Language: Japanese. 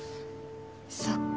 そっか。